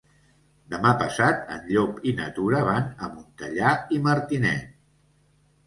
Demà passat en Llop i na Tura van a Montellà i Martinet.